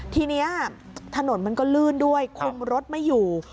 ทีนี้ถนนมันก็ลื่นด้วยคุมรถไม่อยู่